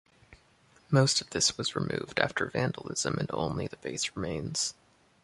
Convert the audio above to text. Most of this was removed after vandalism, and only the base remains.